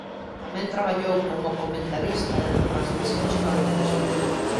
Tamén traballou como comentarista en retransmisións de baloncesto.